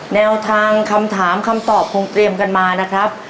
แนวทางคำถามคำตอบคงเตรียมกันมานะครับ